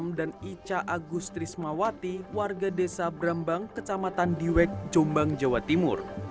khoirul annamah dan ica agustris mawati warga desa brambang kecamatan diwek jombang jawa timur